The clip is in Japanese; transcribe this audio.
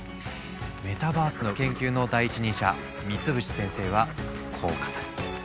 メタバースの研究の第一人者三淵先生はこう語る。